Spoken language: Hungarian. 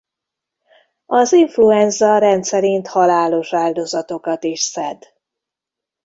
Az influenza rendszerint halálos áldozatokat is szed.